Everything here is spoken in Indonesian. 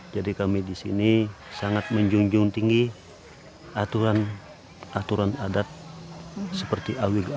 jadi kami disini sangat menjunjung tinggi aturan adat seperti awib awib itu sendiri